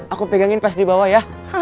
aku pegangin pas di bawah ya